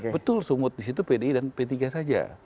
betul sumut disitu pdi dan p tiga saja